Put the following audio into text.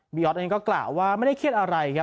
บิออทก็กล่าวว่าไม่ได้เครียดอะไร